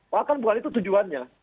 bahkan bukan itu tujuannya